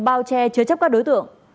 bao che chứa chấp các đối tượng